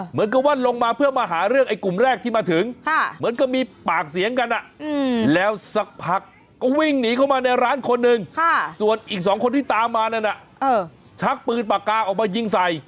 เหมือนกับว่าลงมาเพื่อมาหาเรื่องไอ้กลุ่มแรกที่มาถึงเหมือนก็มีปากเสียงกันแล้วสักพักก็วิ่งหนีเข้ามาในร้านคนหนึ่งส่วนอีก๒คนที่ตามมานั่นน่ะชักปืนปากกาออกมายิงใส่